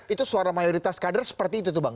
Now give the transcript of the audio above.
itu suara mayoritas kader seperti itu tuh bang